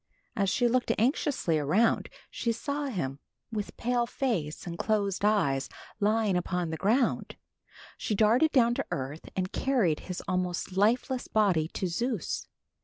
As she looked anxiously around she saw him with pale face and closed eyes lying upon the ground. She darted down to earth and carried his almost lifeless body to Zeus.